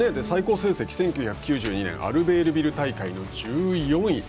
最高成績１９９２年アルベールビル大会の１４位。